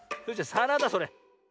さらだそれ。